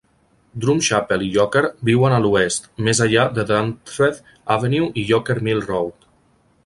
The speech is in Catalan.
Drumchapel i Yoker viuen a l"oest, més allà de Duntreath Avenue i Yoker Mill Road.